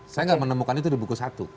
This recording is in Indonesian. saya nggak menemukan itu di buku satu